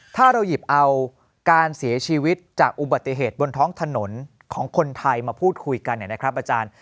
ถ้าเราหยิบเอาการเสียชีวิตจากอุบัติเหตุบนท้องถนนของคนไทยมาพูดคุยกันเนี่ยนะครับอาจารย์